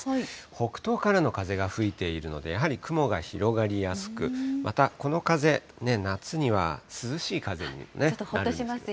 北東からの風が吹いているので、やはり雲が広がりやすく、また、この風、夏には涼しい風になりますね。